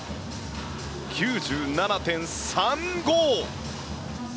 ９７．３５！